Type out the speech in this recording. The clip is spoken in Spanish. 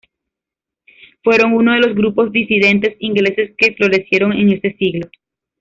Fueron uno de los grupos disidentes ingleses que florecieron en ese siglo.